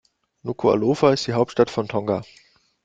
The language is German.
Nukuʻalofa ist die Hauptstadt von Tonga.